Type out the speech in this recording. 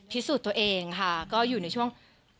พิสูจน์ตัวเองค่ะก็อยู่ในช่วง